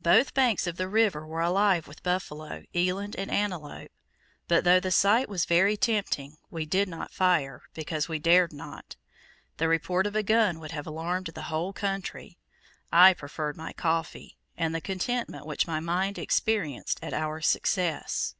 Both banks of the river were alive with buffalo, eland, and antelope, but, though the sight was very tempting, we did not fire, because we dared not. The report of a gun would have alarmed the whole country. I preferred my coffee, and the contentment which my mind experienced at our success.